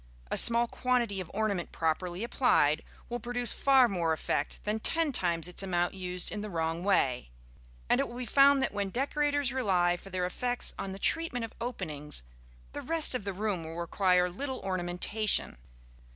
A small quantity of ornament, properly applied, will produce far more effect than ten times its amount used in the wrong way; and it will be found that when decorators rely for their effects on the treatment of openings, the rest of the room will require little ornamentation.